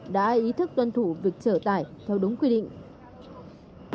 đã ý thức tuân thủ việc trở tải theo đúng quy định